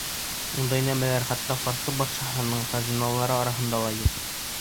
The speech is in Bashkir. Ундай нәмәләр хатта фарсы батшаһының хазиналары араһында ла юҡ!